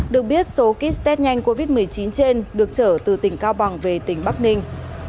được biết số kit test nhanh covid một mươi chín trên được trở từ tỉnh cao bằng về tỉnh bắc ninh